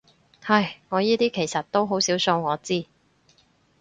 唉，我依啲其實到好少數我知